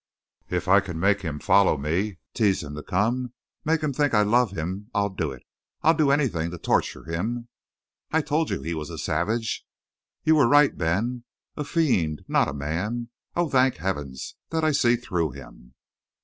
"If I can make him follow me, tease him to come, make him think I love him, I'll do it. I'd do anything to torture him." "I told you he was a savage." "You were right, Ben. A fiend not a man! Oh, thank Heavens that I see through him."